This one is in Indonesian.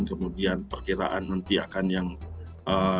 kemudian perkiraan nanti akan yang